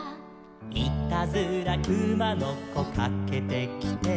「いたずらくまのこかけてきて」